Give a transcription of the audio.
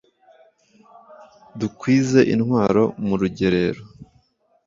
dukwize intwari mu rugerero